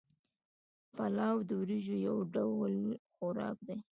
پلاو د وریجو یو ډول خوراک دی